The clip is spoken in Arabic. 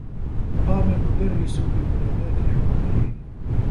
قام المدرّس بمناداة الحاضرين.